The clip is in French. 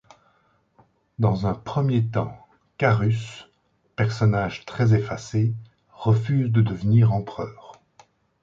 Dans un premier temps, Carus, personnage très effacé, refuse de devenir empereur.